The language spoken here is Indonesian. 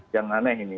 yang aneh ini